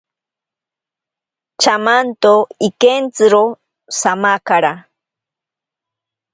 Chamanto ikentziro samakara.